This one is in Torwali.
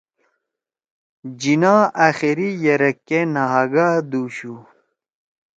جناح آخری یرَک کے نہ ہاگادُوشُو